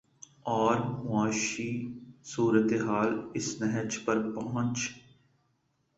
اور معاشی صورت حال اس نہج پر پہنچ